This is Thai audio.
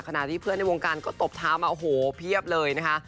ขณะที่เพื่อนในวงการก็ตบเท้ามาโอ้โหเพียบเลยนะคะ